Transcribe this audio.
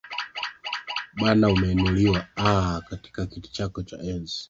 Bwana Umeinuliwa aah, katika kiti chako cha enzi